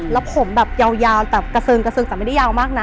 แล้วผมแบบยาวแบบกระเซิงแต่ไม่ได้ยาวมากนะ